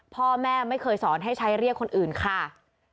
พ่อแม่ไม่เคยสอนให้ใช้เรียกคนอื่นค่ะ